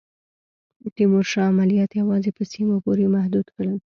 تیمورشاه عملیات یوازي په سیمو پوري محدود کړل.